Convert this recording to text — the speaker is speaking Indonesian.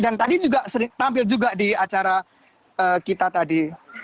dan tadi juga sering tampil di acara kita tadi